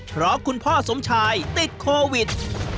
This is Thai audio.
เพราะคุณพ่อสมชายติดโควิด